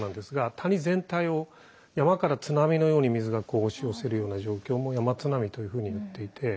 谷全体を山から津波のように水がこう押し寄せるような状況も山津波というふうにいっていて。